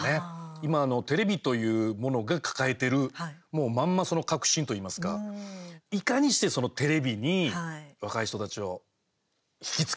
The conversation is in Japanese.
今、テレビというものが抱えている、もうまんまその核心といいますかいかにしてテレビに若い人たちを引きつけるかっていうことが。